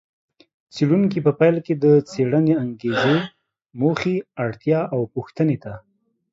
څېړونکي په پیل کې د څېړنې انګېزې، موخې، اړتیا او پوښتنې ته